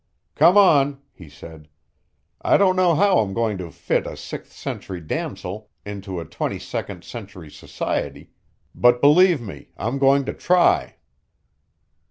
"Come on," he said. "I don't know how I'm going to fit a sixth century damosel into twenty second century society, but believe me, I'm going to try!"